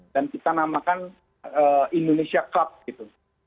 dan kita namakan indonesia club gitu